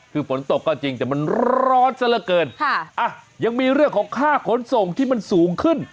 คือฝนตกก็จริงแต่มันร้อนซะละเกินค่ะอ่ะยังมีเรื่องของค่าขนส่งที่มันสูงขึ้น